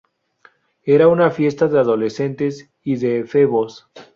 Eran una fiesta de adolescentes y de efebos.